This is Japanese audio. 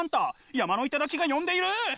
山の頂が呼んでいる！